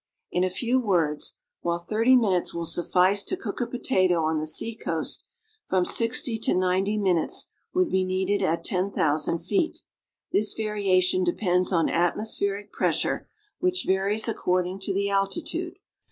In a few words, while thirty minutes will suffice to cook a potato on the seacoast, from sixty to ninety minutes would be needed at ten thousand feet. This variation de pends on atmospheric pressure, which varies according to the alti tude.